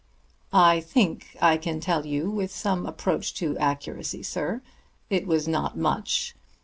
"I think I can tell you with some approach to accuracy, sir. It was not much.